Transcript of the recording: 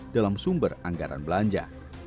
dalam sumber anggaran belanja